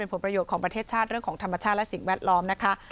ผลประโยชน์ของประเทศชาติเรื่องของธรรมชาติและสิ่งแวดล้อมนะคะ